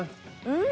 うん！